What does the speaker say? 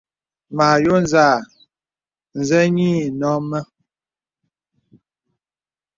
Mə àyɔ̄ɔ̄ zàà, zê yì nɔ̂ mə.